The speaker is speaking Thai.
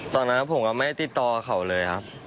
ตอนนั้นผมก็ไม่ติดต่อเขาเลยครับ